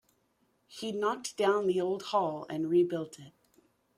He knocked down the old hall and rebuilt it.